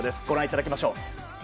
ご覧いただきましょう。